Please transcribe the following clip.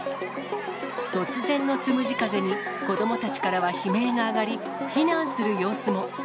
突然のつむじ風に、子どもたちからは悲鳴が上がり、避難する様子も。